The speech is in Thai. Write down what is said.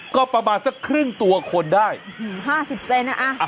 ก็ประมาณสักครึ่งตัวคนได้ห้าสิบเซ็นต์น่ะอ่ะ